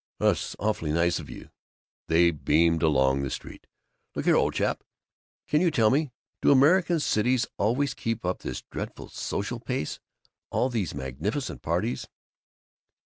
"That's awfully nice of you." They beamed along the street. "Look here, old chap, can you tell me, do American cities always keep up this dreadful social pace? All these magnificent parties?"